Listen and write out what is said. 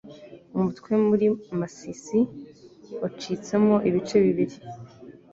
umutwe muri Masisi wacitsemo ibice bibiri,